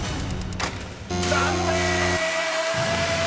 ［残念！］